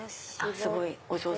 すごいお上手。